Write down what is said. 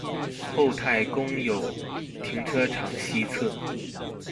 厚泰公有停車場西側